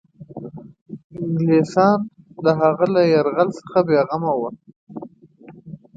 انګلیسیانو د هغه له یرغل څخه بېغمه وه.